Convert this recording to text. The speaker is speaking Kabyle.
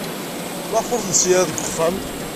Maɣef ur tensi ara deg uxxam?